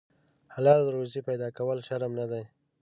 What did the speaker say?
حلاله روزي پیدا کول شرم نه دی.